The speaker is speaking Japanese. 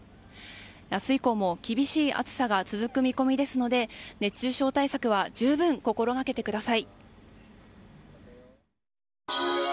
明日以降も厳しい暑さが続く見込みですので熱中症対策は十分、心がけてください。